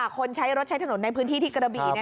คนใช้รถใช้ถนนในพื้นที่ที่กระบี